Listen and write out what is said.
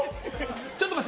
ちょっと待って。